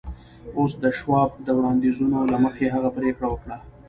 اوس د شواب د وړانديزونو له مخې هغه پرېکړه وکړه.